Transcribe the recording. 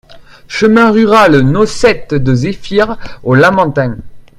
Chemin Rural No sept de Zéphyr au Lamentin